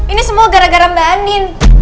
ini semua gara gara mbak anin